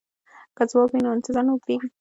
که ځواب وي نو انتظار نه اوږدیږي.